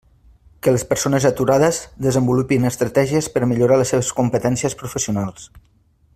Que les persones aturades desenvolupin estratègies per millorar les seves competències professionals.